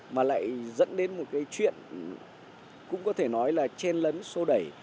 mà lại dẫn đến một cái chuyện cũng có thể nói là chen lấn sô đẩy